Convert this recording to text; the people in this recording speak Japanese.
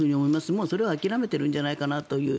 もうそれは諦めているんじゃないかなという。